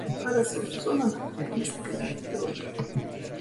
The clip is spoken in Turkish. Parası ucuz olanın kendisi kıymetli olur.